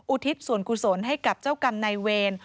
ทิศส่วนกุศลให้กับเจ้ากรรมนายเวร